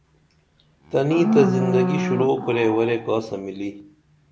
تنی تہ زندگی شُرُع کُرے ورے کاسہ ملی